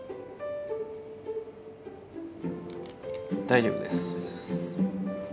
大丈夫です。